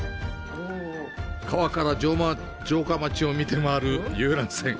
川から城下町を見て回る遊覧船。